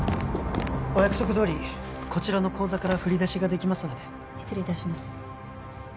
お約束どおりこちらの口座から振り出しができますので失礼いたします